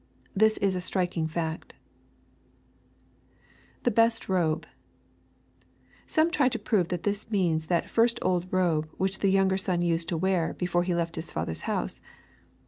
This is a striking fact [The best robe,] Some try to prove that this means that first old robe which the younger son used to wear, before he left his father's house.